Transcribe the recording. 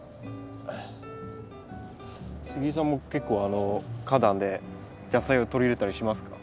杉井さんも結構花壇で野菜を取り入れたりしますか？